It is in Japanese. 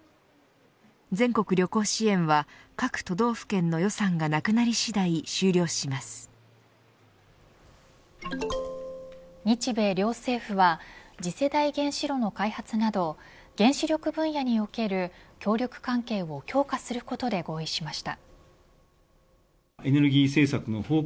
全国旅行支援は各都道府県の予算がなくなり次第日米両政府は次世代原子炉の開発など原子力分野における協力関係を強化することで合意しました。